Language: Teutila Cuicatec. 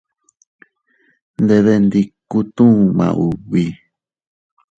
Ndebendikutuu maubi.